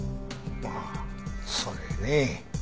ああそれね。